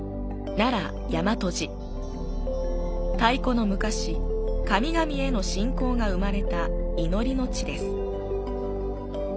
奈良大和路、太古の昔、神々への信仰が生まれた祈りの地です。